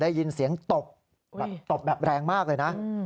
ได้ยินเสียงตบแบบตบแบบแรงมากเลยนะ